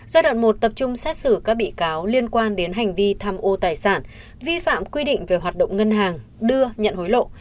giai đoạn một tập trung xét xử các bị cáo liên quan đến hành vi tham ô tài sản vi phạm quy định về hoạt động ngân hàng đưa nhận hối lộ